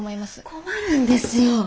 困るんですよ。